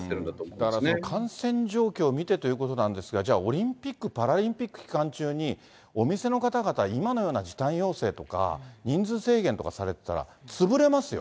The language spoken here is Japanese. だからその感染状況を見てということなんですが、じゃあ、オリンピック・パラリンピック期間中に、お店の方々、今のような時短要請とか、人数制限とかされてたら、潰れますよ。